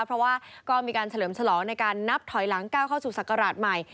เพราะว่าก็มีการเฉลิมฉลองในการนับถอยหลังก้าวเข้าสู่ศักราชใหม่